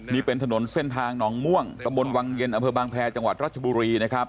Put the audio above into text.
นี่เป็นถนนเส้นทางหนองม่วงตะบนวังเย็นอำเภอบางแพรจังหวัดรัชบุรีนะครับ